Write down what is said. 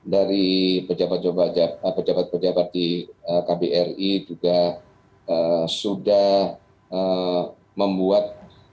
dari pejabat pejabat di kbri juga sudah membuat